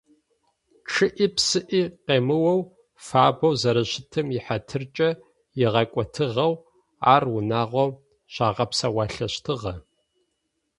Чъыӏи-псыӏи къемыоу, фабэу зэрэщытым ихьатыркӏэ игъэкӏотыгъэу ар унагъом щагъэпсэуалъэщтыгъэ.